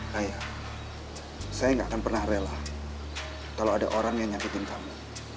saya tidak akan pernah rela kalau ada orang yang nyakitin kamu